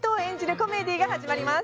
コメディーが始まります